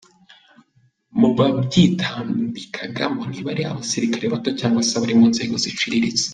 Mubabyitambikagamo ntibari abasirikare bato cyangwa se abari mu nzego ziciriritse.